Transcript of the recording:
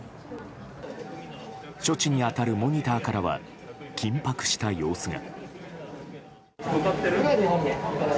処置に当たるモニターからは緊迫した様子が。